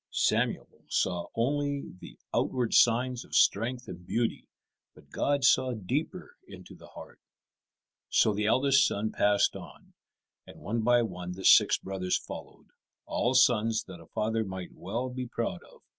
Samuel saw only the outward signs of strength and beauty, but God saw deeper into the heart. So the eldest son passed on, and one by one the six brothers followed, all sons that a father might well be proud of.